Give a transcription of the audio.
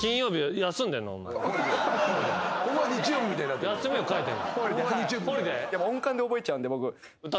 休みを書いてる。